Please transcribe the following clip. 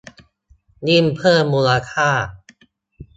ยิ่งเพิ่มมูลค่า